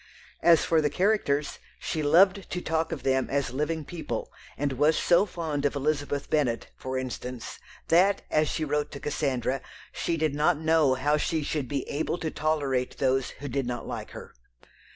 As for the characters, she loved to talk of them as living people, and was so fond of Elizabeth Bennet, for instance, that, as she wrote to Cassandra, she did not know how she should be "able to tolerate" those who did not like her.